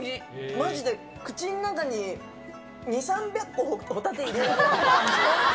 まじで口の中に２、３００個、ほたて入れられた感じ。